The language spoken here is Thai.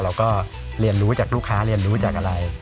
เราก็เรียนรู้จากลูกค้าเรียนรู้จากอะไร